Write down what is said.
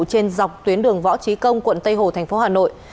trên dọc tuyến đường võ trí công quận tây hồ tp hà nội